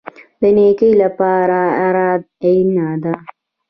د نیکۍ لپاره اراده اړین ده